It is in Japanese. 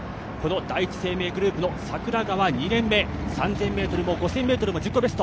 第一生命グループの櫻川２年目、３０００ｍも５０００ｍも自己ベスト。